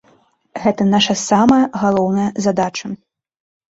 Гэта наша самая галоўная задача.